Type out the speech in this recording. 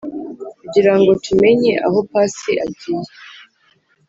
kugirango tumenye aho pasi agiye ...